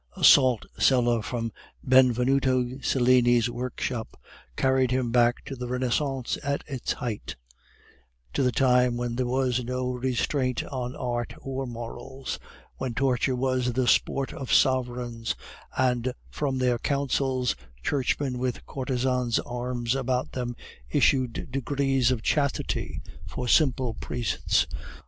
A salt cellar from Benvenuto Cellini's workshop carried him back to the Renaissance at its height, to the time when there was no restraint on art or morals, when torture was the sport of sovereigns; and from their councils, churchmen with courtesans' arms about them issued decrees of chastity for simple priests.